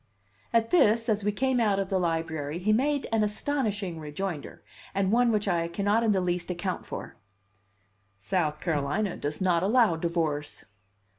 At this, as we came out of the Library, he made an astonishing rejoinder, and one which I cannot in the least account for: "South Carolina does not allow divorce."